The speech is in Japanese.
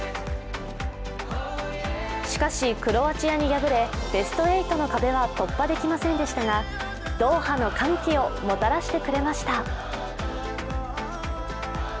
しかし、クロアチアに敗れベスト８の壁は突破できませんでしたがドーハの歓喜をもたらしてくれました。